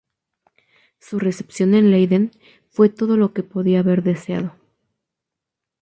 Su recepción en Leiden fue todo lo que podía haber deseado.